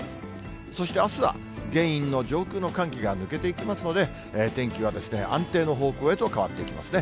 そしてあすは、原因の上空の寒気が抜けていきますので、天気は安定の方向へと変わっていきますね。